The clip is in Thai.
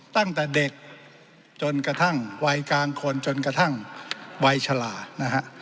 ตั้งแต่เด็กจนกระทั่งวัยกลางคนจนกระทั่งวัยฉลานะฮะ